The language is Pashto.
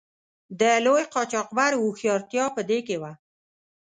د لوی قاچاقبر هوښیارتیا په دې کې وه.